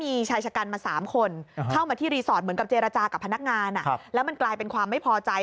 มีชายชะกันมา๓คนเข้ามาที่รีสอร์ทเหมือนกับเจรจากับพนักงานแล้วมันกลายเป็นความไม่พอใจ